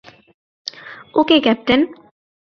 ওকে, captain.